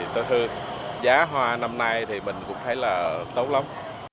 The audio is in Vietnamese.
thì tôi thương giá hoa năm nay thì mình cũng thấy là tốt lắm